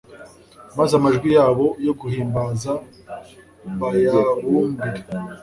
maze amajwi yabo yo guhimbaza bayabumbire